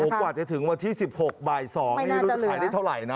โอ้โหกว่าจะถึงวันที่๑๖บาท๒นี้รุ่นจะขายได้เท่าไหร่นะ